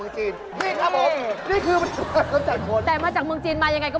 ท้อท้ามาจากเมืองจีน